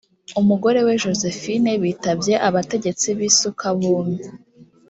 umugore we josephine bitabye abategetsi b’ i sukabumi